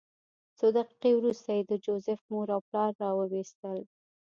څو دقیقې وروسته یې د جوزف مور او پلار راوویستل